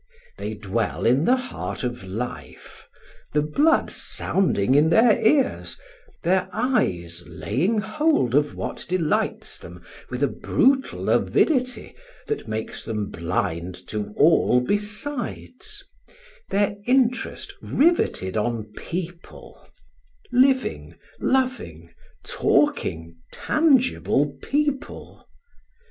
They dwell in the heart of life; the blood sounding in their ears, their eyes laying hold of what delights them with a brutal avidity that makes them blind to all besides, their interest riveted on people, living, loving, talking, tangible people.